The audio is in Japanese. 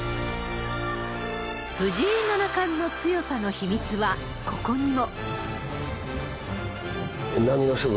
藤井七冠の強さの秘密は、ここにも。